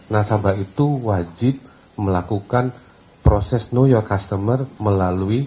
nasabah itu wajib melakukan proses know your customer melalui